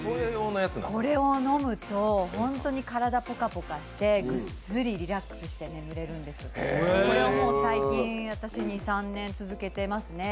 これを飲むと、本当に体ポカポカして、ぐっすりリラックスして眠れるんですよ。これを最近、２３年続けてますね